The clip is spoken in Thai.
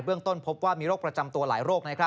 ต้นพบว่ามีโรคประจำตัวหลายโรค